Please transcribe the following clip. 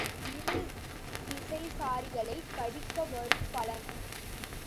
இரு திசைச்சாரிகளைக் கழிக்க வரும் பலன்.